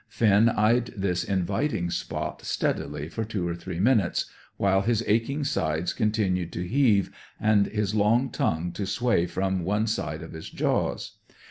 Finn eyed this inviting spot steadily for two or three minutes, while his aching sides continued to heave, and his long tongue to sway from one side of his jaws.